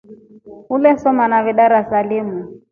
Ulesoma nafe darasa limu.